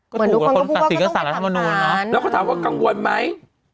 เหมือนทุกคนบอกว่าต้องไปถามมันได้ภาพร้านนะครับอืมโปรดตัว